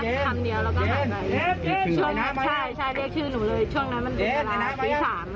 ใช่ชื่อนั้นชื่อน้ำมันเจอในชีวิตตเดือนที่๓